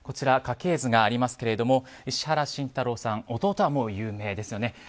家計図がありますけれども石原慎太郎さん弟は有名ですね。